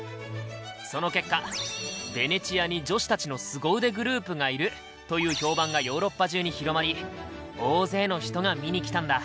その結果「ベネチアに女子たちのスゴ腕グループがいる」という評判がヨーロッパ中に広まり大勢の人が見に来たんだ。